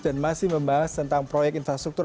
dan masih membahas tentang proyek infrastruktur